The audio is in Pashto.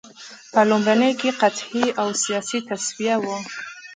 په لومړیو کې قحطي او سیاسي تصفیه وه